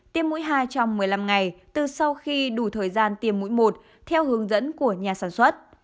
tiêm mũi hai trong một mươi năm ngày từ sau khi đủ thời gian tiêm mũi một theo hướng dẫn của nhà sản xuất